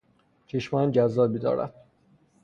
چشمان جذابی دارد.